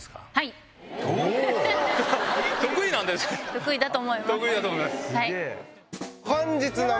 得意だと思います。